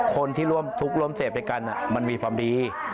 คนที่ร่วมทุกข์ร่วมเสพด้วยกันมันมีความดี